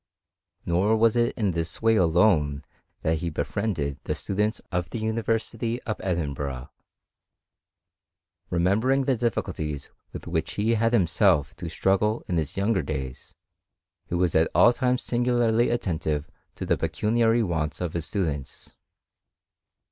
Nor was it in this way alone that he befriended the students in the University of Edinburgh. Remembering the difficulties with which he had himself to struggle in his younger days, he was at all times singularly attentive to the pecuniary wants of the students.